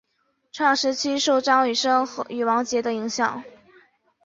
成长时期受张雨生与王杰的影响。